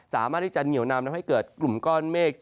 สามารถที่จะเหนียวนำทำให้เกิดกลุ่มก้อนเมฆ